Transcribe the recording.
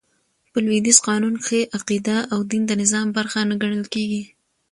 په لوېدیځ قانون کښي عقیده او دين د نظام برخه نه ګڼل کیږي.